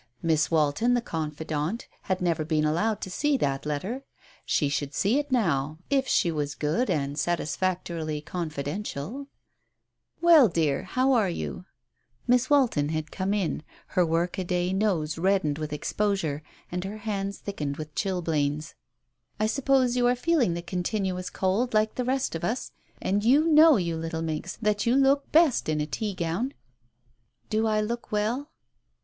Miss Walton, the confidante, had never been allowed to see that letter. She should see it now, if she was good and satisfactorily confidential ?" Well, dear, how are you ?" Miss Walton had come in, her work a day nose reddened with exposure, and her hands thickened with chilblains. "I suppose you are feeling the continuous cold, like the rest of us. And you know, you little minx, that you look best in a tea gown." "Do I look well?"